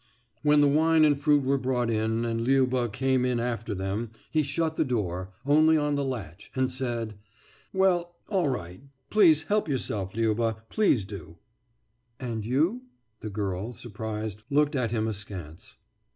When the wine and fruit were brought in, and Liuba came in after them, he shut the door, only on the latch, and said: »Well ... all right ... please help yourself, Liuba. Please do.« »And you ...?« The girl, surprised, looked at him askance.